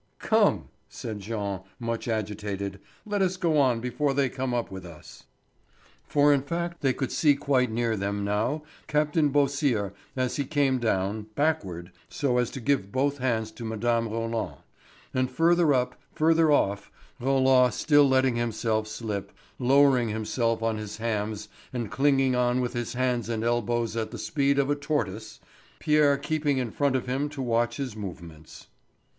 "Come," said Jean, much agitated. "Let us go on before they come up with us." For in fact they could see quite near them now Captain Beausire as he came down, backward, so as to give both hands to Mme. Roland; and further up, further off, Roland still letting himself slip, lowering himself on his hams and clinging on with his hands and elbows at the speed of a tortoise, Pierre keeping in front of him to watch his movements.